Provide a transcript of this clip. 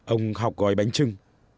ông học gói bánh trưng